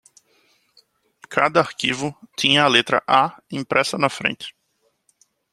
Cada arquivo tinha a letra "A" impressa na frente.